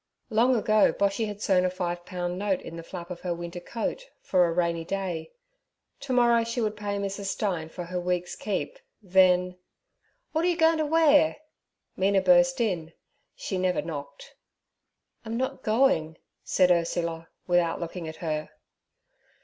Long ago Boshy had sewn a five pound note in the flap of her winter coat 'for a rainy day.' To morrow she would pay Mrs. Stein for her week's keep, then— 'W'at are you goin' t' wear?' Mina burst in—she never knocked. 'I'm not going' said Ursula, without looking at her.